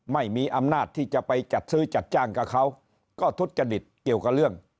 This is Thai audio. ไม่มีอำนาจที่จะไปจัดซื้อจัดจ้างกับเขาก็ทุจจริตเกี่ยวกับเรื่อง